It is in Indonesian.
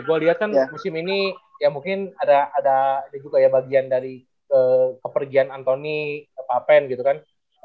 gue liat kan musim ini ya mungkin ada juga ya bagian dari kepergian anthony pak pen gitu kan